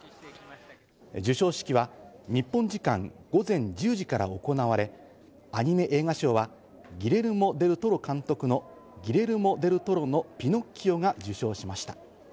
授賞式は日本時間午前１０時から行われ、アニメ映画賞はギレルモ・デル・トロ監督の『ギレルモ・デル・トロのピノッキオ』が受賞しました。